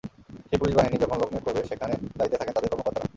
সেই পুলিশ বাহিনী যখন লোক নিয়োগ করবে, সেখানে দায়িত্বে থাকেন তাদের কর্মকর্তারা।